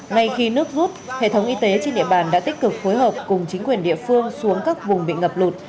ngay khi nước rút hệ thống y tế trên địa bàn đã tích cực phối hợp cùng chính quyền địa phương xuống các vùng bị ngập lụt